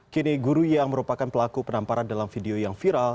kini guru yang merupakan pelaku penamparan dalam video yang viral